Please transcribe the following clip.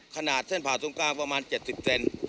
ขนาดเส้นผ่าทุ่มกล้างประมาณ๗๐เซนต์